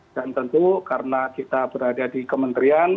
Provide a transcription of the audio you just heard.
dan tentu karena kita berada di kementerian